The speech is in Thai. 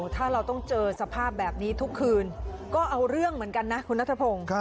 ถ้าเราต้องเจอสภาพแบบนี้ทุกคืนก็เอาเรื่องเหมือนกันนะคุณนัทพงศ์